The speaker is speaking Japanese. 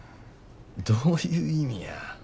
どういう意味や。